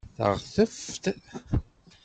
Taɣteft